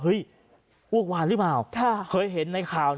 อ้วกวานหรือเปล่าเคยเห็นในข่าว